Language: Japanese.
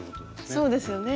そうですよね？